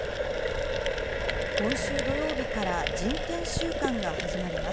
今週土曜日から人権週間が始まります。